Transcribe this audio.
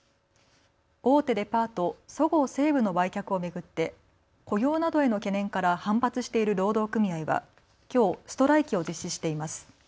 大手デパート、そごう・西武の売却を巡って雇用などへの懸念から反発している労働組合はきょう、ストライキを実施しています。